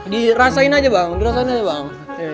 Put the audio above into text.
dirasain aja bang dirasain aja bang